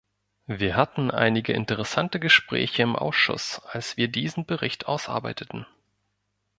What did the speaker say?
Wir hatten einige interessante Gespräche im Ausschuss, als wir diesen Bericht ausarbeiteten.